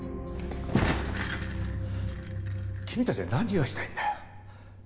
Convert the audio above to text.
君たちは何がしたいんだよ？